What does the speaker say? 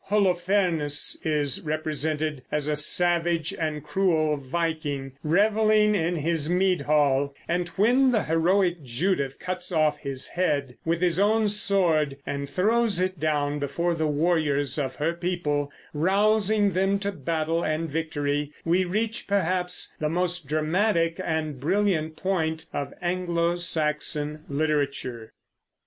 Holofernes is represented as a savage and cruel Viking, reveling in his mead hall; and when the heroic Judith cuts off his head with his own sword and throws it down before the warriors of her people, rousing them to battle and victory, we reach perhaps the most dramatic and brilliant point of Anglo Saxon literature.